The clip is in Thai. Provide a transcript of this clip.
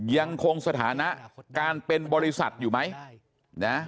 ยังคงสถานะการเป็นบริษัทอยู่ไหม